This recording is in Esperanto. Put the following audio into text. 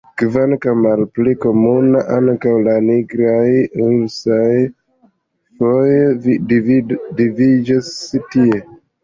Kvankam malpli komuna, ankaŭ la nigraj ursoj foje vidiĝas tie.